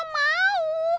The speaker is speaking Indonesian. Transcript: kan gak mesti paksa harus niat